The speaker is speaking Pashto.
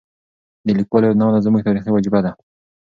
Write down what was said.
د لیکوالو یادونه زموږ تاریخي وجیبه ده.